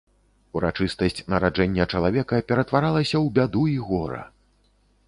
Урачыстасць нараджэння чалавека ператваралася ў бяду і гора.